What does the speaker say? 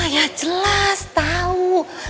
ya jelas tau